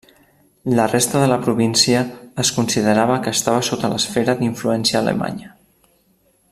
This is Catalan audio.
La resta de la província es considerava que estava sota l'esfera d'influència alemanya.